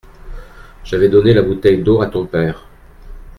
J’avais donné la bouteille d’eau à ton père.